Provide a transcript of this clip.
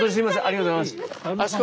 ありがとうございます。